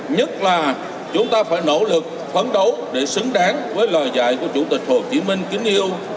nhất là chúng ta phải nỗ lực phấn đấu để xứng đáng với lời dạy của chủ tịch hồ chí minh kính yêu